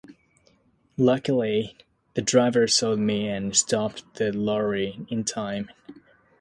Luckily, the driver saw me and stopped the lorry in time.